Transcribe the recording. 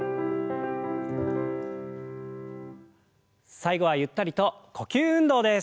最後はゆったりと呼吸運動です。